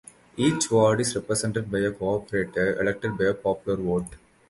Each ward is represented by a corporator, elected by popular vote.